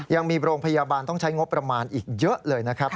ยังมีโรงพยาบาลต้องใช้งบประมาณอีกเยอะเลยนะครับ